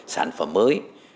sản phẩm mới